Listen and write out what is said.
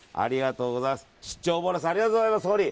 出張ボーナスありがとうございます、総理。